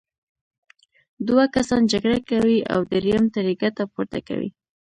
دوه کسان جګړه کوي او دریم ترې ګټه پورته کوي.